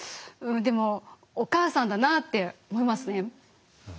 でもお母さんだなって思いますね。